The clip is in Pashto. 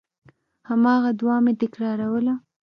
هماغه دعا مې تکراروله.